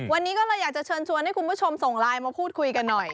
วันนี้ก็เลยอยากจะเชิญชวนให้คุณผู้ชมส่งไลน์มาพูดคุยกันหน่อย